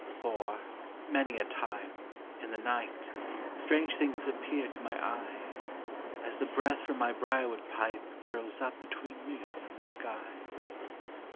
For, many a time, in the night, strange things ap pear to my eye, As the breath from my brier wood pipe curls up between me and the sky.